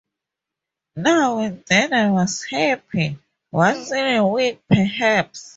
Now and then I was happy: once in a week perhaps.